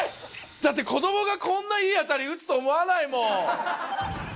だって子どもがこんなにいい当たり打つと思わないもん。